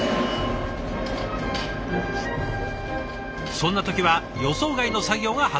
そんな時は予想外の作業が発生します。